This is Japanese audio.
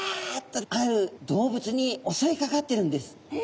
とある動物におそいかかっているんです。